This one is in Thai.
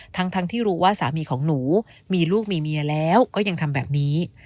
ทั้งที่รู้ว่าสามีของหนูมีลูกมีเมียแล้วก็ยังทำแบบนี้